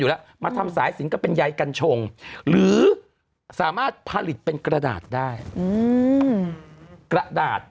อยู่แล้วมาทำสายสินก็เป็นไยกันชงหรือสามารถผลิตเป็นกระดาษ